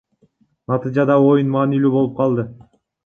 Натыйжада оюн маанилүү болуп калды.